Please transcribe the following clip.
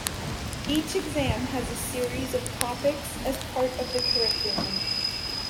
Each exam has a series of topics as part of the curriculum.